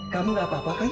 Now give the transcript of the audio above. kamu tidak apa apa kan